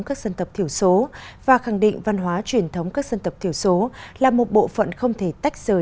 các dân tộc thiểu số và khẳng định văn hóa truyền thống các dân tộc thiểu số là một bộ phận không thể tách rời